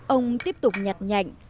ông tiếp tục nhặt nhạnh